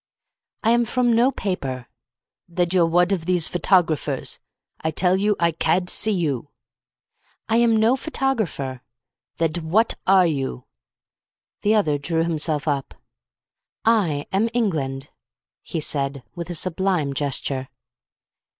"I am from no paper." "Thed you're wud of these photographers. I tell you, I cad't see you." "I am no photographer." "Thed what are you?" The other drew himself up. "I am England," he said with a sublime gesture.